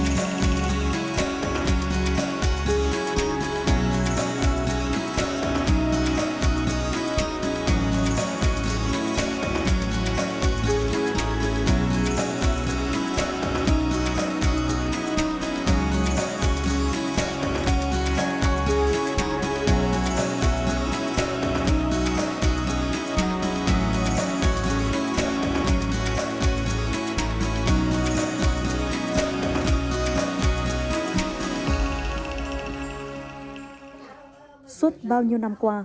la la school để không bỏ lỡ những video hấp dẫn